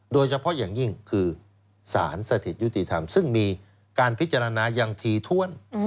โดยเฉพาะอย่างยิ่งคือสารสถิตยุติธรรมซึ่งมีการพิจารณาอย่างถี่ถ้วน